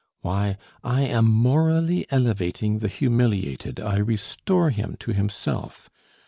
Why, I am morally elevating the humiliated, I restore him to himself....